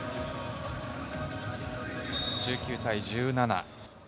１９対１７。